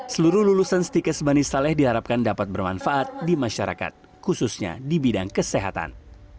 seluruh lulusan stikes bani saleh diharapkan dapat bermanfaat di masyarakat khususnya di bidang kesehatan